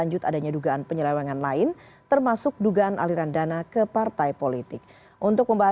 selamat malam mbak eva